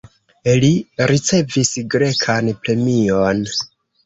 Li ricevis grekan premion.